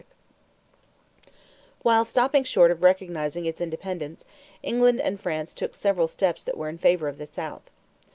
[Illustration: JOHN BRIGHT] While stopping short of recognizing its independence, England and France took several steps that were in favor of the South.